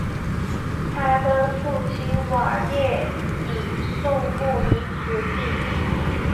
他的父亲瓦列里受雇于此地。